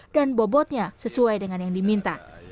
dan bobotnya sesuai dengan yang diminta